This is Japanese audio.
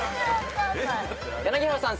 柳原さん